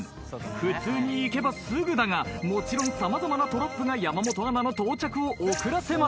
普通に行けばすぐだがもちろん様々なトラップが山本アナの到着を遅らせます。